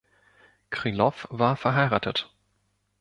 Krylow war verheiratet.